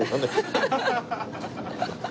アハハハ。